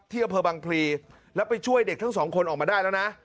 อำเภอบังพลีแล้วไปช่วยเด็กทั้งสองคนออกมาได้แล้วนะ